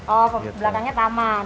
oh belakangnya taman